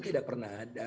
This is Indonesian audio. tidak pernah ada